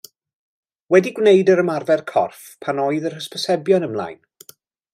Wedi gwneud yr ymarfer corff pan oedd yr hysbysebion ymlaen.